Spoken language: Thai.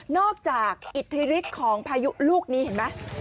อกจากอิทธิฤทธิ์ของพายุลูกนี้เห็นไหม